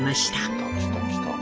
来た来た来た。